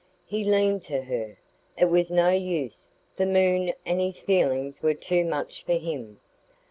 He leaned to her. It was no use the moon and his feelings were too much for him.